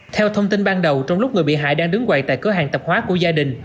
theo thông tin ban đầu trong lúc người bị hại đang đứng quậy tại cửa hàng tạp hóa của gia đình